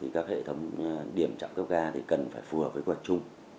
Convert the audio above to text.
các hệ thống điểm trạm cấp ga cần phải phù hợp với quy hoạch chung